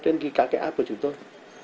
trên các cái app của chúng tôi